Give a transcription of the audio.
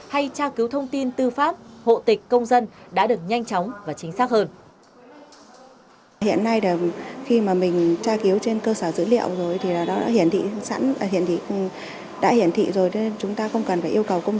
hay tra cứu thông tin tư pháp hộ tịch công dân đã được nhanh chóng và chính xác hơn